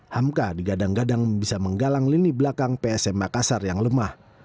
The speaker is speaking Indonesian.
hamka digadang gadang bisa menggalang lini belakang psm makassar yang lemah